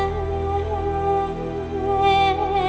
kejujuran dia masih ya